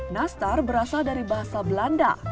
nastar berasal dari bahasa belanda